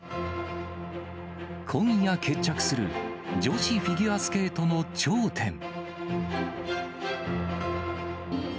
今夜決着する女子フィギュアスケートの頂点。